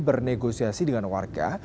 bernegosiasi dengan warga